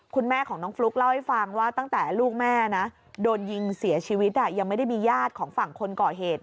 คุณแม่ของน้องฟลุ๊กเล่าให้ฟังว่าตั้งแต่ลูกแม่นะโดนยิงเสียชีวิตยังไม่ได้มีญาติของฝั่งคนก่อเหตุ